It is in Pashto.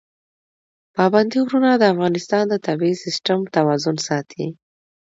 پابندی غرونه د افغانستان د طبعي سیسټم توازن ساتي.